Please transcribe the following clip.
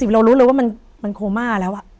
๖๐๔๐เรารู้รู้แล้วว่ามันโคม่าแล้ว